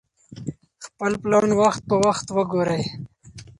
خپل پلان وخت په وخت وګورئ.